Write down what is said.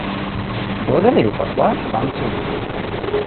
Благодарю посла Ван Цюня.